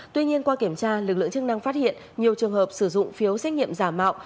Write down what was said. tuy nhiên qua kiểm tra lực lượng chức năng phát hiện nhiều trường hợp sử dụng phiếu xét nghiệm giả mạo